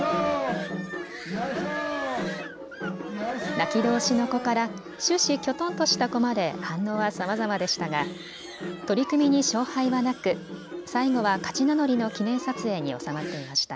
泣き通しの子から終始きょとんとした子まで反応はさまざまでしたが取組に勝敗はなく最後は勝ち名乗りの記念撮影に納まっていました。